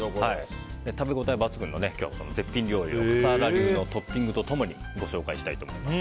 食べ応え抜群の絶品料理を笠原流のトッピングと共にご紹介したいと思います。